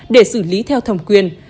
để xử lý theo thầm quyền